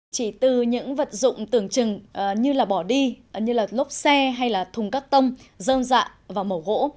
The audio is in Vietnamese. chỉ từ những vật dụng tưởng chừng như là bỏ đi như là lốp xe hay là thùng cắt tông dơm dạ và màu gỗ